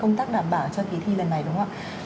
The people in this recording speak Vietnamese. trong cái công tác đảm bảo cho kỳ thi lần này đúng không ạ